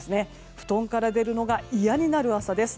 布団から出るのが嫌になる朝です。